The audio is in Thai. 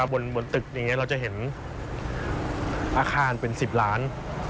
บนตึกอย่างนี้เราจะเห็นอาคารเป็น๑๐ล้าน